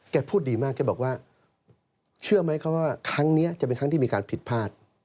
พูดดีมากแกบอกว่าเชื่อไหมครับว่าครั้งนี้จะเป็นครั้งที่มีการผิดพลาด